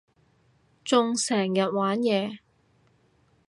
仲成日玩嘢